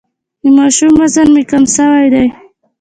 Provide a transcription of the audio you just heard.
د ماشوم وزن مي کم سوی دی.